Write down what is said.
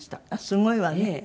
すごいわね。